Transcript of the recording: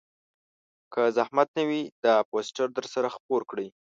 که زحمت نه وي دا پوسټر درسره خپور کړئ